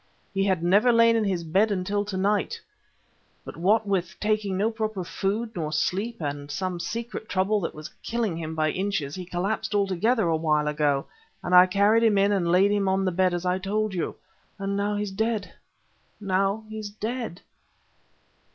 He had never lain in his bed until to night, but what with taking no proper food nor sleep, and some secret trouble that was killing him by inches, he collapsed altogether a while ago, and I carried him in and laid him on the bed as I told you. Now he's dead now he's dead."